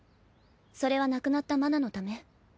それは亡くなった麻奈のため？